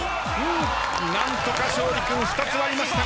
何とか勝利君２つ割りました。